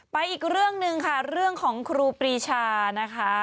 อีกเรื่องหนึ่งค่ะเรื่องของครูปรีชานะคะ